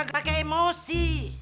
gak pake emosi